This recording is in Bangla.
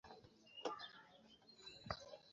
এর নাম মৃত্যু!